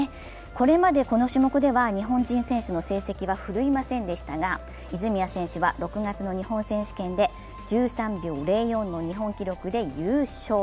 これまで、この種目では日本人選手の成績は振るいませんでしたが泉谷選手は６月の日本選手権で１３秒０４の日本記録で優勝。